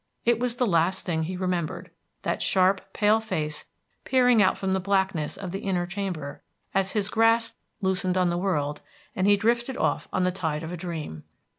It was the last thing he remembered, that sharp, pale face peering out from the blackness of the inner chamber as his grasp loosened on the world and he drifted off on the tide of a dream.